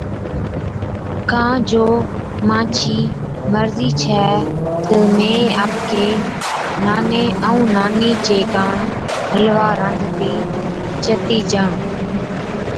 ڪان جو مانڇِي مرضِي ڇَي تہ مين آپڪي ناني ائُون نانِي چي ڪاڻ حلوا رانڌتِي چتِي جان۔